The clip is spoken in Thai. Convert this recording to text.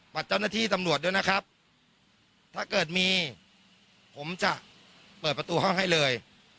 บัตรเจ้าหน้าที่ตำรวจด้วยนะครับถ้าเกิดมีผมจะเปิดประตูห้องให้เลย